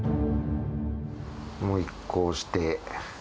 もう一考して。